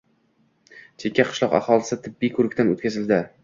Chekka qishloq aholisi tibbiy ko‘rikdan o‘tkazildi